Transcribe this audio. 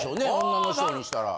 女の人にしたら。